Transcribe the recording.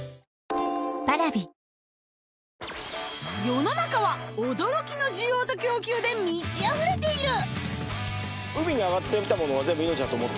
世の中は驚きの需要と供給で満ちあふれている！